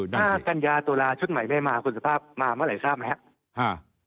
ห้ากัญญาตุลาชุดใหม่ไม่มาคุณสุภาพมาเมื่อไหร่ทราบไหมครับ